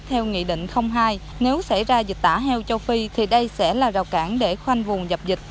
theo nghị định hai nếu xảy ra dịch tả heo châu phi thì đây sẽ là rào cản để khoanh vùng dập dịch